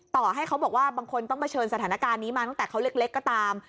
ต่อให้เขาบอกว่าบางคนต้องเผชิญสถานการณ์นี้มาตั้งแต่เขาเล็กก็ตาม